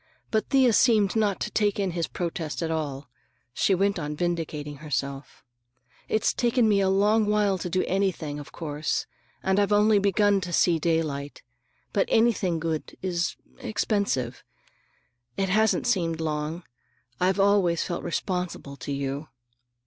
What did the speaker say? But Thea seemed not to take in his protest at all. She went on vindicating herself. "It's taken me a long while to do anything, of course, and I've only begun to see daylight. But anything good is—expensive. It hasn't seemed long. I've always felt responsible to you."